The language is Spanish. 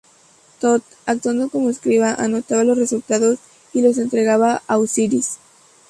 Tot, actuando como escriba, anotaba los resultados y los entregaba a Osiris.